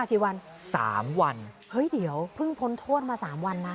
กี่วันสามวันเฮ้ยเดี๋ยวเพิ่งพ้นโทษมาสามวันนะ